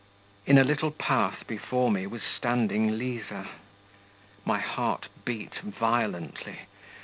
In a little path before me was standing Liza. My heart beat violently.